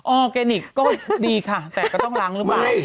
ออร์แกนิคก็ดีค่ะแต่ก็ต้องล้างหรือเปล่า